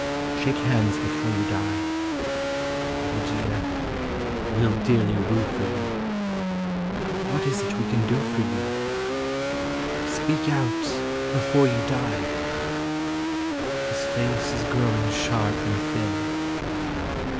Shake hands before you die. Old year, we '11 dearly rue for you : What is it we can do for you? Speak out before you die. His face is growing sharp and thin.